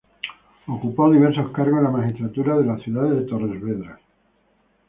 Ocupó diversos cargos en la magistratura de la ciudad de Torres Vedras.